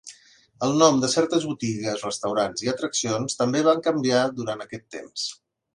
Els noms de certes botigues, restaurants i atraccions també van canviar durant aquest temps